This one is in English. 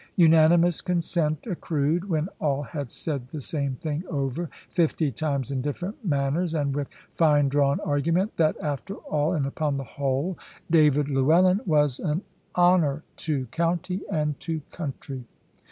Unanimous consent accrued (when all had said the same thing over, fifty times in different manners, and with fine drawn argument) that after all, and upon the whole, David Llewellyn was an honour to county and to country.